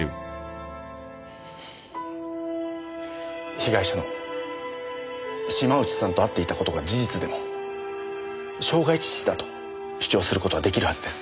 被害者の島内さんと会っていた事が事実でも傷害致死だと主張する事は出来るはずです。